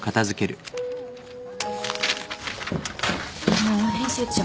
あのう編集長。